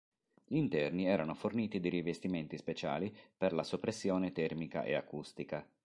Gli interni erano forniti di rivestimenti speciali per la soppressione termica e acustica.